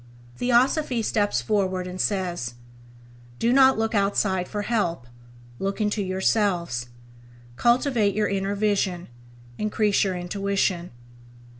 Theosophy steps forward and says: " Do not look outside for help, look into yourselves, cultivate your inner vision, increase your Intuition."